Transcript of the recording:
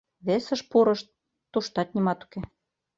Весыш пурышт — туштат нимат уке.